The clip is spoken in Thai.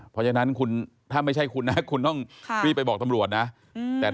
เพราะฉะนั้นคุณถ้าไม่ใช่คุณนะคุณต้องรีบไปบอกตำรวจนะ